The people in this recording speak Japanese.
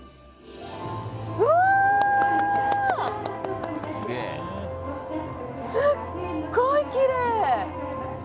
うわー、すごいきれい！